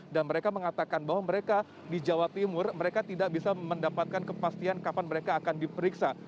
dan mereka mengatakan bahwa mereka di jawa timur mereka tidak bisa mendapatkan kepastian kapan mereka akan diperiksa